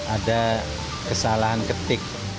ada kesalahan ketik